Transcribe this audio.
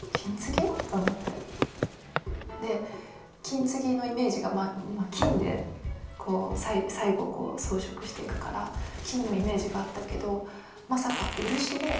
金継ぎのイメージが金で最後こう装飾していくから金のイメージがあったけどまさか漆でくっつけてるっていう。